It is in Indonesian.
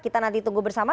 kita nanti tunggu bersama